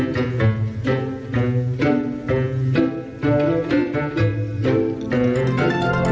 สวัสดีค่ะ